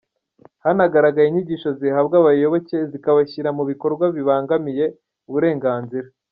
Hanagaragaye inyigisho zihabwa abayoboke zikabashyira mu bikorwa bibangamiye uburenganzira